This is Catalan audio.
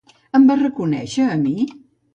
Em va reconèixer a mi?